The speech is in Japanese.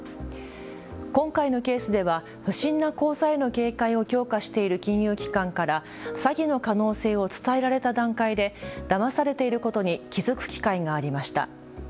今回のケースでは不審な口座への警戒を強化している金融機関から詐欺の可能性を伝えられた段階でだまされていることに気付く機会がありました。